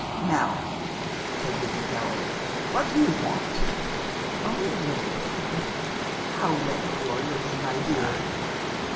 "Now," said Mrs. Gallilee, "what do you want?" "Only a little word. How well you're looking, my dear!"